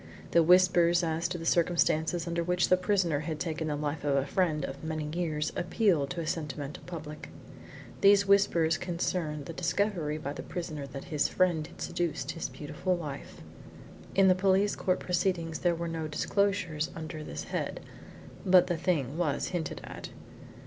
The whispers as to the circumstances under which the prisoner had taken the life of a friend of many years appealed to a sentimental public. These whispers concerned the discovery by the prisoner that his friend had seduced his beautiful wife. In the police court proceedings there were no disclosures under this head, but the thing was hinted at.